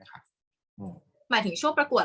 กากตัวทำอะไรบ้างอยู่ตรงนี้คนเดียว